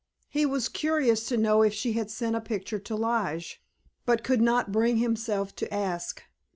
He was curious to know if she had sent a picture to Lige, but could not bring himself to ask.